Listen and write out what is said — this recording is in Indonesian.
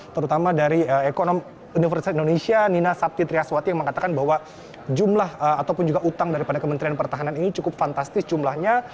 terutama dari ekonom universitas indonesia nina sabti triaswati yang mengatakan bahwa jumlah ataupun juga utang daripada kementerian pertahanan ini cukup fantastis jumlahnya